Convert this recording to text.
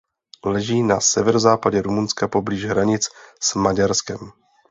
Leží na severozápadě Rumunska poblíž hranic s Maďarskem.